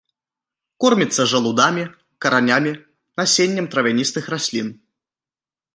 Корміцца жалудамі, каранямі, насеннем травяністых раслін.